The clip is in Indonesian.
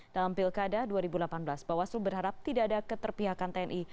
dalam pilkada dua ribu delapan belas bawaslu berharap tidak ada keterpihakan tni